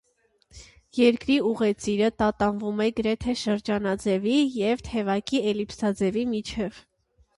Երկրի ուղեծիրը տատանվում է գրեթե շրջանաձևի և թեթևակի էլիպսաձևի միջև։